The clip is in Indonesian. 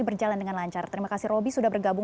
pertanyaan yang akan datang dari bapak bapak